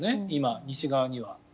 今、西側には。